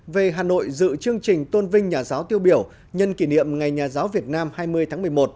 về hà nội dự chương trình tôn vinh nhà giáo tiêu biểu nhân kỷ niệm ngày nhà giáo việt nam hai mươi tháng một mươi một